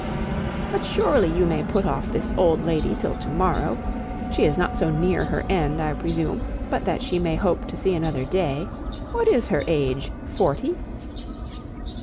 But surely you may put off this old lady till to morrow: she is not so near her end, I presume, but that she may hope to see another day. What is her age? Forty?"